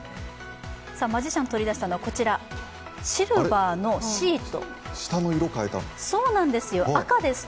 マジシャン取り出したのは、こちら、シルバーのシート。